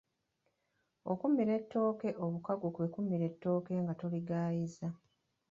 Okumira ettooke obukago kwe kumira ettooke nga toligaayizza